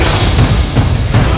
kami tidak pernah takut